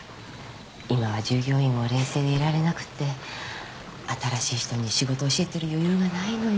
今は従業員も冷静でいられなくって新しい人に仕事を教えてる余裕がないのよ